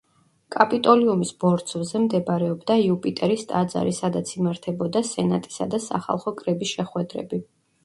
კაპიტოლიუმის ბორცვზე მდებარეობდა იუპიტერის ტაძარი, სადაც იმართებოდა სენატისა და სახალხო კრების შეხვედრები.